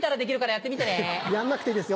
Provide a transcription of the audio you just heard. やんなくていいですよ